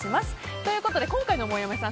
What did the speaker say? ということで今回のもやもやさん